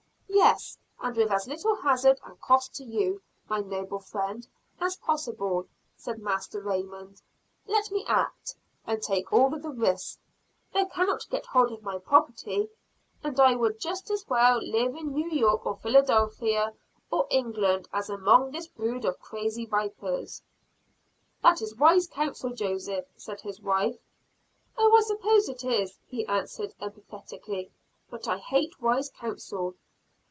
"Yes, and with as little hazard and cost to you, my noble friend, as possible," said Master Raymond. "Let me act, and take all the risk. They cannot get hold of my property; and I would just as lief live in New York or Philadelphia or England as among this brood of crazy vipers." "That is wise counsel, Joseph," said his wife. "Oh, I suppose it is," he answered emphatically. "But I hate wise counsel."